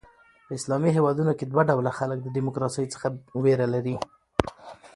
په اسلامي هیوادونو کښي دوه ډوله خلک د ډیموکراسۍ څخه بېره لري.